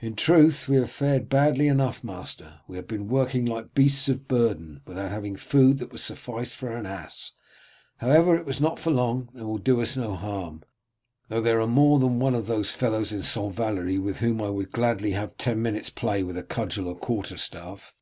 "In truth we have fared badly enough, master; we have been working like beasts of burden, without having food that would suffice for an ass. However, it was not for long, and will do us no harm, though there are more than one of those fellows at St. Valery with whom I would gladly have ten minutes play with cudgel or quarter staff.